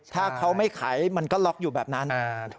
ถ้าเขาไม่ไขมันก็ล็อกอยู่แบบนั้น